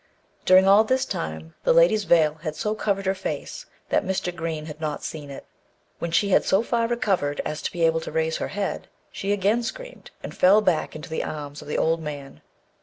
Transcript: During all this time the lady's veil had so covered her face, that Mr. Green had not seen it. When she had so far recovered as to be able to raise her head, she again screamed, and fell back into the arms of the old man.